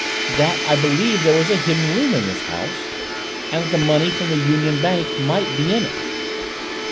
"That I believed there was a Hidden Room in the house and that the money from the Union Bank might be in it."